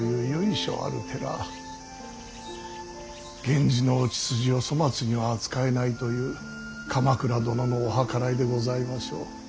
源氏のお血筋を粗末には扱えないという鎌倉殿のお計らいでございましょう。